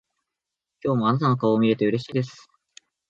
今日もあなたの顔を見れてうれしいです。